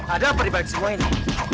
ada apa dibalik semua ini